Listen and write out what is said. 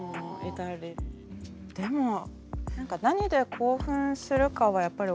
でも何で興奮するかはやっぱり